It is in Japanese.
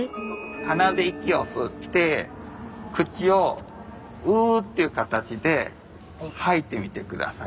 鼻で息を吸って口を「うー」という形で吐いてみて下さい。